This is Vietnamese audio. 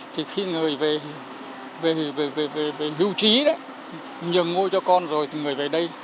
thì khi người về hưu trí đấy nhường ngôi cho con rồi thì người về đây